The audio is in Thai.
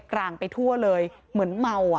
ร่างไปทั่วเลยเหมือนเมาอ่ะ